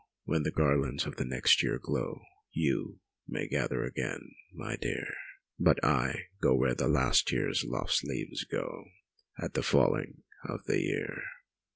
when the garlands of next year glow, YOU may gather again, my dear But I go where the last year's lost leaves go At the falling of the year."